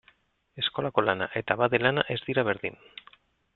Eskolako lana eta abade lana ez dira berdin.